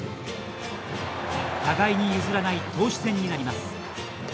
互いに譲らない投手戦になります。